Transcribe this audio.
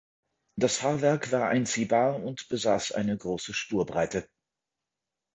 Das Fahrwerk war einziehbar und besaß eine große Spurbreite.